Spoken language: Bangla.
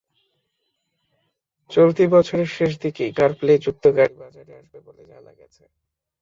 চলতি বছরের শেষ দিকেই কার-প্লে যুক্ত গাড়ি বাজারে আসবে বলে জানা গেছে।